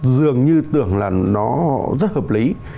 dường như tưởng là nó rất hợp lý